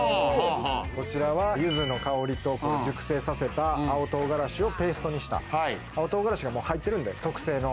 こちらは、ゆずの香りと熟成させた青唐辛子をペーストにした青唐辛子がもう入ってるんで、特製の。